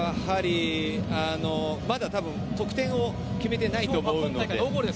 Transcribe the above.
まだ多分得点を決めてないと思うので。